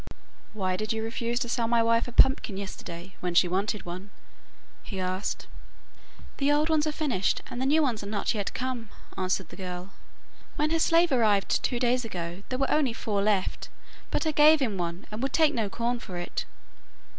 'Why did you refuse to sell my wife a pumpkin yesterday when she wanted one?' he asked. 'The old ones are finished, and the new ones are not yet come,' answered the girl. 'When her slave arrived two days ago, there were only four left; but I gave him one, and would take no corn for it.